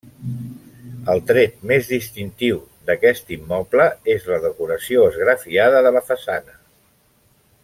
El tret més distintiu d'aquest immoble és la decoració esgrafiada de la façana.